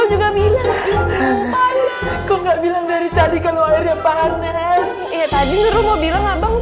juga bilang dari tadi kalau airnya panas